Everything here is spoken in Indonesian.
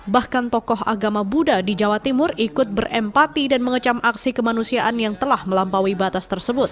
bahkan tokoh agama buddha di jawa timur ikut berempati dan mengecam aksi kemanusiaan yang telah melampaui batas tersebut